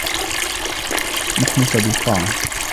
نحن صديقان.